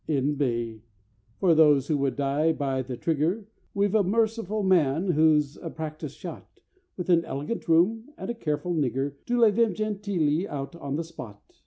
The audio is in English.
"'N.B.—For those who would die by the trigger We've a merciful man who's a practised shot, With an elegant room, and a careful nigger To lay them genteelly out on the spot.